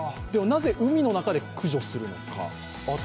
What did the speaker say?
なぜ海の中で駆除するのか。